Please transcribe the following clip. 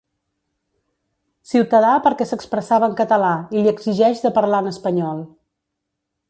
Ciutadà perquè s’expressava en català i li exigeix de parlar en espanyol.